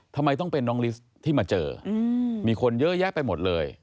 ทำไมต้องเป็นน้องลิสที่มาเจอมีคนเยอะแยะไปหมดเลย